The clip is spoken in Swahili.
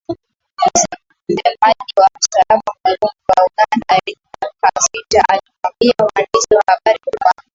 Msemaji wa Msalaba Mwekundu wa Uganda Irene Nakasita aliwaambia waandishi wa habari kuwa